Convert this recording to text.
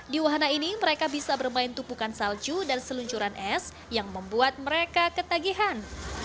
di wahana ini mereka bisa bermain tupukan salju dan seluncuran es yang membuat mereka ketagihan